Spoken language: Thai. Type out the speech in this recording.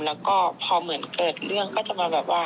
แล้วก็พอเหมือนเกิดเรื่องก็จะมาแบบว่า